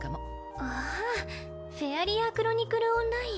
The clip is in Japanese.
ああ「フェアリア・クロニクル・オンライン」。